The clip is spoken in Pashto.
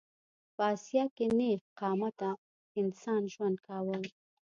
په اسیا کې نېغ قامته انسان ژوند کاوه.